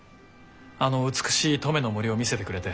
あの美しい登米の森を見せてくれて。